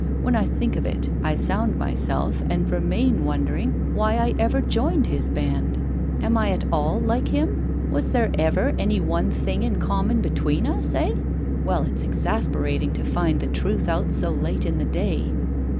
When I think of it, I sound myself, and remain wondering why I ever joined his band. Am I at all like him? Was there ever any one thing in common between us, eh? Ah! it's exasperating to find the truth out so late in the day!